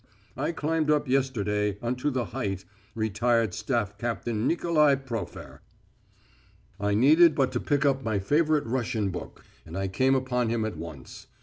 I climbed up yesterday unto thy height, Retired Staff Captain Nikoli Profer." I needed but to pick up my favourite Russian book, and I came upon him at once.